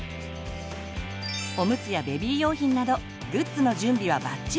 おむつやベビー用品などグッズの準備はバッチリ。